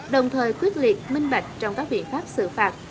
đồng thời quyết liệt minh bạch trong các biện pháp xử phạt